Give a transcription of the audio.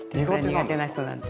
苦手な人なんで。